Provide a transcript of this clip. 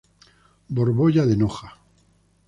Borbolla de Noja.